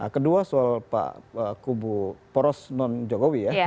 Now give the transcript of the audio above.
kedua soal pak kubu poros non jokowi ya